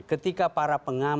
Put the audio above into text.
ketika para pengamat diam